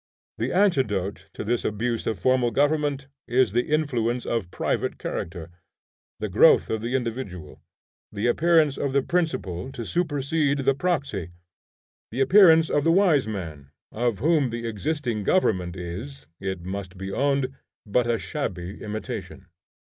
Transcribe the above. The antidote to this abuse of formal Government is the influence of private character, the growth of the Individual; the appearance of the principal to supersede the proxy; the appearance of the wise man; of whom the existing government is, it must be owned, but a shabby imitation.